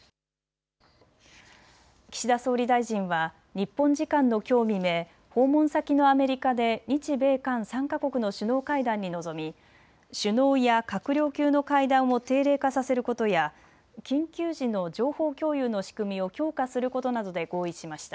岸田総理大臣は日本時間のきょう未明、訪問先のアメリカで日米韓３か国の首脳会談に臨み首脳や閣僚級の会談を定例化させることや緊急時の情報共有の仕組みを強化することなどで合意しました。